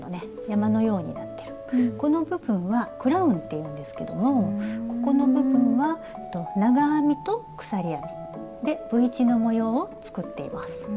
山のようになってるこの部分は「クラウン」っていうんですけどもここの部分は長編みと鎖編みでＶ字の模様を作っています。